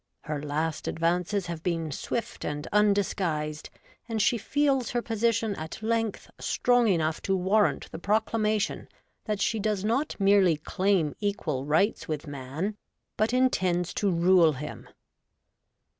Her last advances have been swift and undisguised, and she feels her position at length strong enough to warrant the proclamation that she does not merely claim equal rights with man, but intends to rule B 2 REVOLTED WOMAN. him.